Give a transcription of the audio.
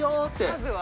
まずは。